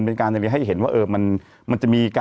เป็นการให้เห็นว่ามันจะมีการ